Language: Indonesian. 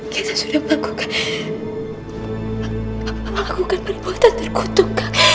kita sudah melakukan perbuatan terkutuk